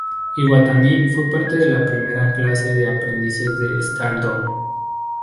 Iwatani fue parte de la primera clase de aprendices de Stardom.